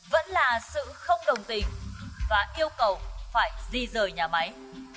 vẫn là sự không đồng tình và yêu cầu phải di rời nhà máy